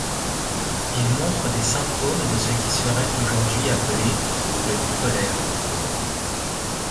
Il montre des symptômes de ce qui serait aujourd'hui appelé trouble bipolaire.